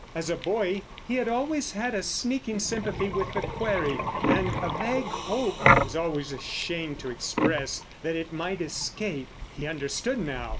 As a boy he had always had a sneaking sympathy with the quarry, and a vague hope, he was always ashamed to express, that it might escape. He understood now.